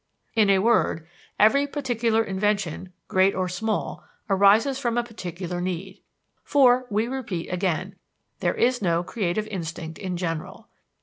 In a word, every particular invention, great or small, arises from a particular need; for, we repeat again, there is no creative instinct in general.